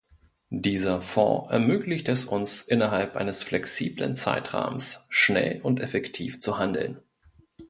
Dieser Fonds ermöglicht es uns, innerhalb eines flexiblen Zeitrahmens schnell und effektiv zu handeln.